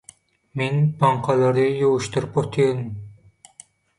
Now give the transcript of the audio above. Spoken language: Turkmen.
Men baňkalary ýuwuşdyryp otyryn.